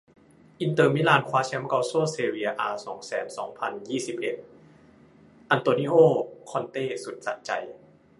อินเตอร์ มิลาน คว้าแชมป์ กัลโช่ เซเรีย อา สองแสนสองพันยี่สิบเอ็ด อันโตนิโอ คอนเต้ สุดสะใจ